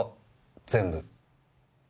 全部。